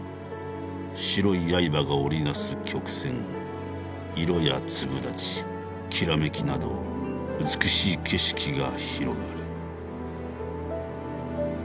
白い刃が織り成す曲線色や粒立ちきらめきなど美しい景色が広がる。